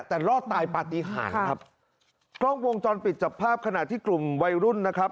แต่รอดตายปฏิหารครับกล้องวงจรปิดจับภาพขณะที่กลุ่มวัยรุ่นนะครับ